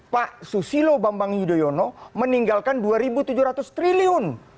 pak susilo bambang yudhoyono meninggalkan rp dua tujuh ratus triliun